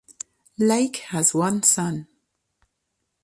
Lake has one son.